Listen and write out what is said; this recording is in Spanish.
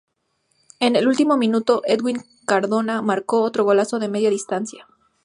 En el último minuto, Edwin Cardona marcó otro golazo de media distancia.